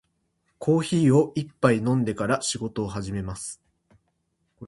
コーヒーを一杯飲んでから仕事を始めます。